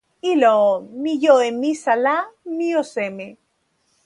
ilo o, mi jo e misa la mi o seme?